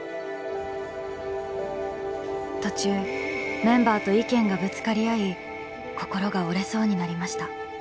途中メンバーと意見がぶつかり合い心が折れそうになりました。